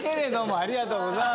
ありがとうございます。